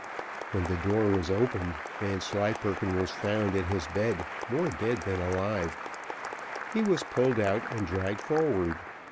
When the door was opened, Vanslyperken was found in his bed more dead than alive: he was pulled out and dragged forward.